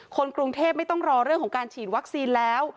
คนกรุงเทพไม่ต้องรอเรื่องของการฉีดวัคซีนแล้ว